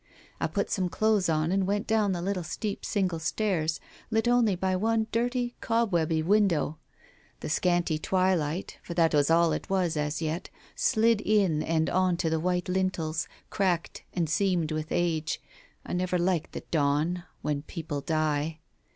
I put some clothes on and went down the little steep single stairs, lit only by one dirty, cobwebby window. The scanty twilight, for that was all it was as yet, slid in and on to the white lintels, cracked and seamed with age — I never liked the dawn, when people die.